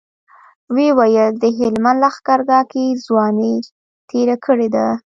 ويې ويل د هلمند لښکرګاه کې ځواني تېره کړې ده.